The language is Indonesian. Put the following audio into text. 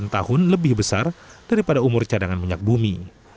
sembilan belas sembilan tahun lebih besar daripada umur cadangan minyak bumi